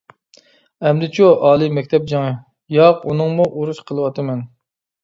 ئەمدىچۇ؟ ئالىي مەكتەپ جېڭى؟ ياق ئۇنىڭمۇ ئۇرۇش قىلىۋاتىمەن.